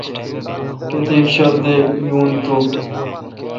کیتیک شردے یون تو۔